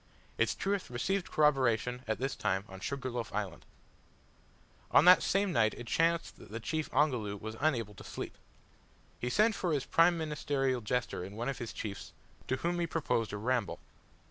Its truth received corroboration at this time on Sugar loaf Island. On that same night it chanced that the chief Ongoloo was unable to sleep. He sent for his prime ministerial jester and one of his chiefs, to whom he proposed a ramble.